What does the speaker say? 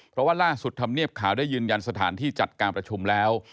เพราะว่าล่าสุดธรรมเนียบข่าวได้ยืนยันสถานที่จัดการประชุมแล้ว